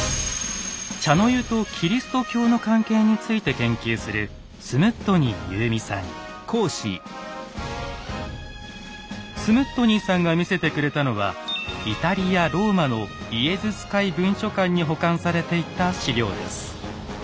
茶の湯とキリスト教の関係について研究するスムットニーさんが見せてくれたのはイタリアローマのイエズス会文書館に保管されていた史料です。